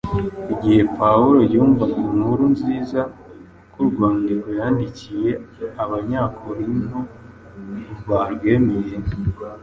Igihe Pawulo yumvaga inkuru nziza ko urwandiko yandikiye Abanyakorinto barwemeye,